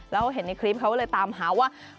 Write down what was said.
แล้วเขาเห็นในคลิปเขาก็เลยตามหาว่า